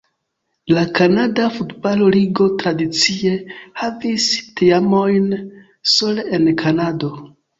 La Kanada Futbalo-Ligo tradicie havis teamojn sole en Kanado.